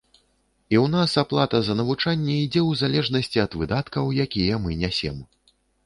І ў нас аплата за навучанне ідзе ў залежнасці ад выдаткаў, якія мы нясем.